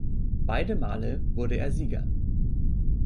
Beide Male wurde er Sieger.